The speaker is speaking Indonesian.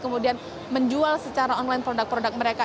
kemudian menjual secara online produk produk mereka